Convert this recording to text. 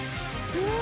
うん！